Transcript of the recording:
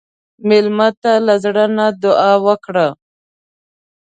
مېلمه ته له زړه نه دعا وکړه.